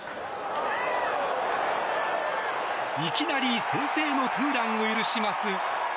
いきなり先制のツーランを許します。